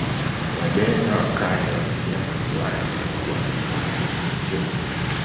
wabena wa kale walijenga viwanda vya kufua vyuma